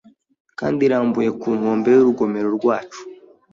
Kandi irambuye ku nkombe y'urugomero rwacu